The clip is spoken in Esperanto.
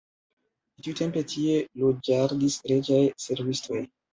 Tiutempe tie loĝadis reĝaj servistoj.